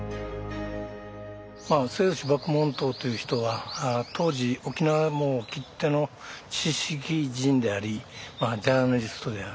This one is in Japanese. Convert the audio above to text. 末吉麦門冬という人は当時沖縄きっての知識人でありジャーナリストである。